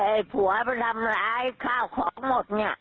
ไอ้ผัวไปทำร้ายข้าวของหมดเนี่ย